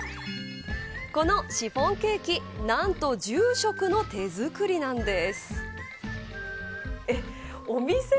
このシフォンケーキ何と住職の手作りなんです。